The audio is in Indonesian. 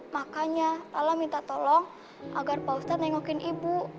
makanya allah minta tolong agar pak ustadz nengokin ibu